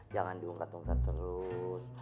jangan diungkat ungkat terus